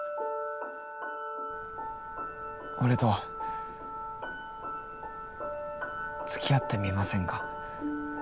俺とつきあってみませんか？